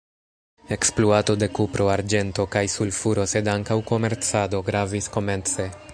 Ekspluato de kupro, arĝento kaj sulfuro sed ankaŭ komercado gravis komence.